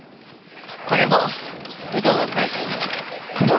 これも工藤が書いた記事。